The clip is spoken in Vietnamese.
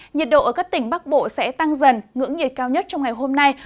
nhiệt độ ở các tỉnh bắc bộ sẽ tăng dần ngưỡng nhiệt cao nhất trong ngày hôm nay